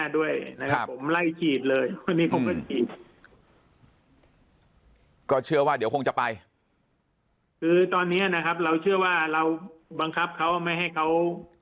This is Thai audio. คือตอนนี้นะครับเราเชื่อว่าเราบังคับเขาไม่ให้เขา